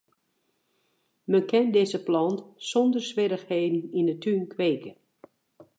Men kin dizze plant sonder swierrichheden yn 'e tún kweke.